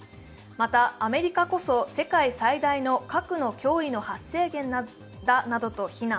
また、アメリカこそ世界最大の核の脅威の発生源だなどと非難。